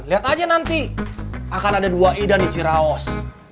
lihat aja nanti akan ada dua ida di ciraos